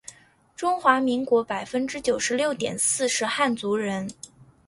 中华民国百分之九十六点四是汉族人